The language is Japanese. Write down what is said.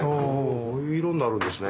こういう色になるんですね。